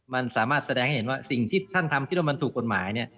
มันสามารถสแดงให้เห็นว่าสิ่งที่ท่านทำดูตรูปกฎหมาย